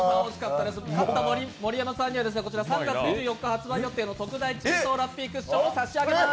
盛山さんには３月２４日発売予定の特大チーソーラッピークッションを差し上げます。